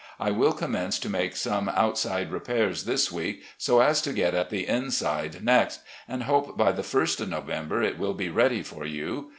I will commence to make some outside repairs this week, so as to get at the inside next, and hope by the ist of November it will be ready for you.